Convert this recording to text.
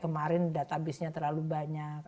kemarin database nya terlalu banyak